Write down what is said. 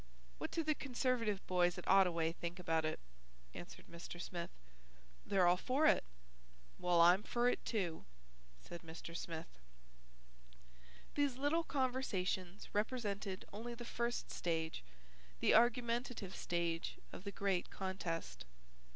"What do the Conservative boys at Ottaway think about it?" answered Mr. Smith. "They're all for it." "Well, I'm fer it too," said Mr. Smith. These little conversations represented only the first stage, the argumentative stage of the great contest.